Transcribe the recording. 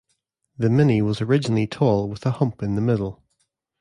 The mini was originally tall with a hump in the middle.